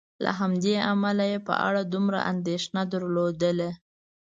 له همدې امله یې په اړه دومره اندېښنه نه درلودله.